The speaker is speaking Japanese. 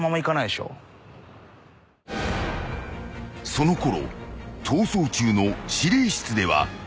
［そのころ『逃走中』の司令室では］